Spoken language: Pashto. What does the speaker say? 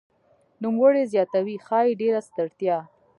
نوموړی زیاتوي "ښايي ډېره ستړیا